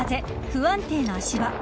不安定な足場。